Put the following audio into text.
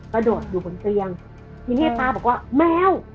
กระโดดอยู่บนเตียงทีนี้ตาบอกว่าแมว